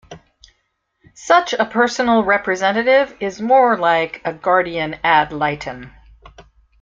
Such a personal representative is more like a "guardian ad litem".